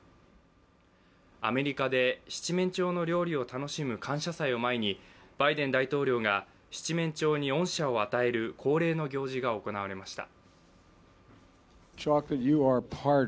アメリカで七面鳥の料理を楽しむ感謝祭を前にバイデン大統領が七面鳥に恩赦を与える恒例の行事が行われました。